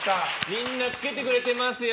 みんな着けてくれてますよ！